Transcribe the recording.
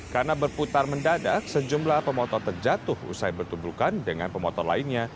karena berputar mendadak sejumlah pemotor terjatuh usai bertuburkan dengan pemotor lainnya